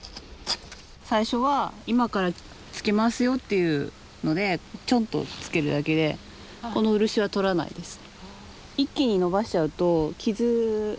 最初は今からつけますよっていうのでチョンとつけるだけでこの漆はとらないです。